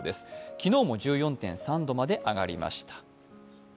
昨日も１４．３度まで上がりました。